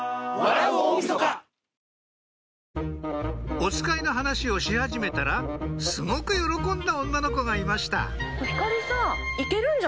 おつかいの話をし始めたらすごく喜んだ女の子がいました